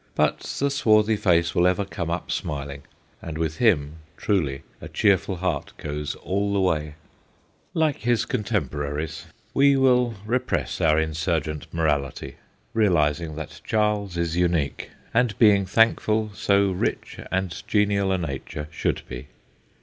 But the swarthy face will ever come up smiling, and with him, truly, a cheerful heart goes all the way. Like his contem 224 THE GHOSTS OF PICCADILLY poraries, we will repress our insurgent morality, realising that Charles is unique, and being thankful so rich and genial a nature should be.